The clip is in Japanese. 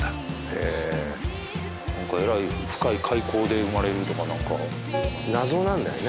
へえ何かえらい深い海溝で生まれるとか何か謎なんだよね